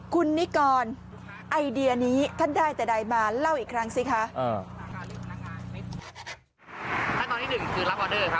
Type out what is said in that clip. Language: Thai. คุณนิกรไอเดียนี้ท่านได้แต่ใดมาเล่าอีกครั้งสิคะ